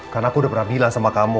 karena aku udah berambilan sama kamu